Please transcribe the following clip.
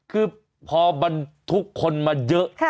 คือพอบรรทุกคนมาเยอะ